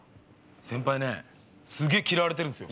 先輩ねすげぇ嫌われてるんすよ。